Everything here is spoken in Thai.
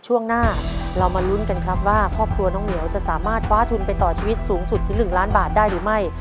ช่วงหน้าเรามาลุ้นกันครับว่าครอบครัวน้องเหมียวจะสามารถคว้าทุนไปต่อชีวิตสูงสุดถึง๑ล้านบาทได้หรือไม่